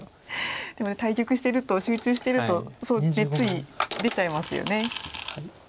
でも対局してると集中してるとつい出ちゃいますよね。